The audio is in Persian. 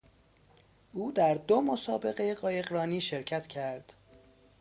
او در دو مسابقهی قایقرانی شرکت کرد.